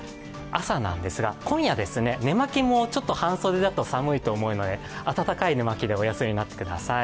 今夜、寝間着も半袖だと寒いと思うので、温かい寝間着でお休みになってください。